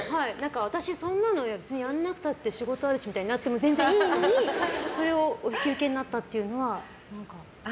私、そんなの別にやらなくたって仕事あるしみたいになっても全然いいのにそれをお引き受けになったというのは、何か。